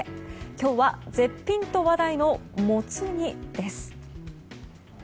今日は絶品と話題のもつ煮です。